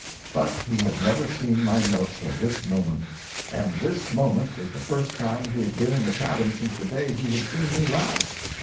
But he had never seen my note till this moment, and this moment was the first time he had been in the cabin since the day he had seen me last.